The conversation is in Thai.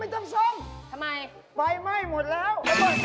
เอาจากแกงนี่ก็เหมือนแล้ว